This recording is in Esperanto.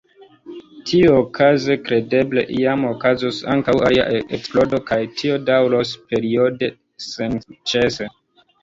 Tiuokaze, kredeble, iam okazos ankaŭ alia eksplodo kaj tio daŭros periode, senĉese.